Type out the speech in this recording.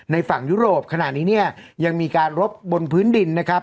ฝั่งยุโรปขณะนี้เนี่ยยังมีการรบบนพื้นดินนะครับ